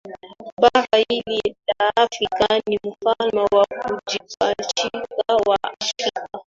bara hili la Afrika ni mfalme wa kujipachika wa Afrika